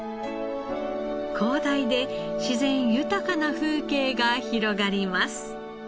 広大で自然豊かな風景が広がります。